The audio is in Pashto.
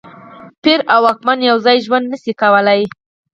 پیر او واکمن یو ځای ژوند نه شي کولای.